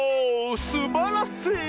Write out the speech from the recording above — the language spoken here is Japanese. すばらしい！